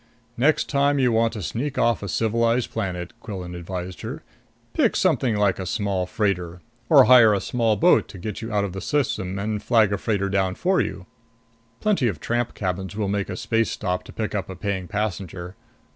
"Next time you want to sneak off a civilized planet," Quillan advised her, "pick something like a small freighter. Or hire a small boat to get you out of the system and flag down a freighter for you. Plenty of tramp captains will make a space stop to pick up a paying passenger.